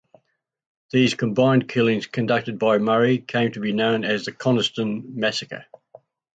These combined killings conducted by Murray came to be known as the Coniston massacre.